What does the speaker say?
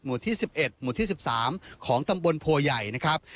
หมู่ที่สิบเอ็ดหมู่ที่สิบสามของตำบลโพยัยนะครับ